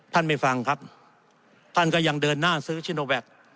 ไม่ฟังครับท่านก็ยังเดินหน้าซื้อชิโนแวค